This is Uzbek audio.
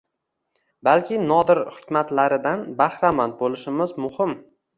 Balki nodir hikmatlaridan bahramand bo‘lishimiz – muhim.